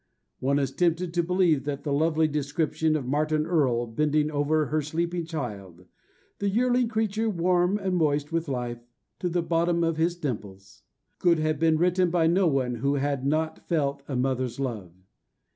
One is tempted to believe that the lovely description of Marian Erle bending over her sleeping child, The yearling creature, warm and moist with life To the bottom of his dimples, could have been written by no one who had not felt a mother's love.